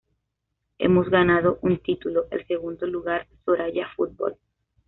Hemos ganado un título, el segundo lugar Soraya Fútbol.